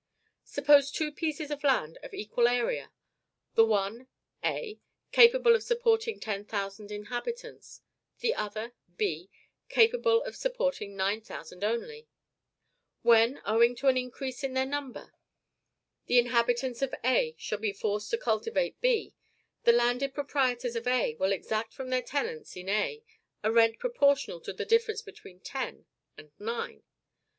Suppose two pieces of land of equal area; the one, A, capable of supporting ten thousand inhabitants; the other, B, capable of supporting nine thousand only: when, owing to an increase in their number, the inhabitants of A shall be forced to cultivate B, the landed proprietors of A will exact from their tenants in A a rent proportional to the difference between ten and nine.